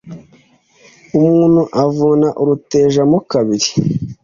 umuntu avuna uruteja mo kabiri